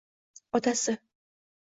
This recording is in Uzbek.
Otasi